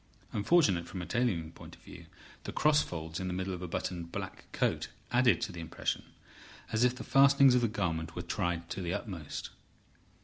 Unfortunate from a tailoring point of view, the cross folds in the middle of a buttoned black coat added to the impression, as if the fastenings of the garment were tried to the utmost.